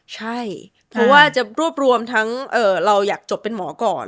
ใช่เพราะว่าจะรวบรวมทั้งเราอยากจบเป็นหมอก่อน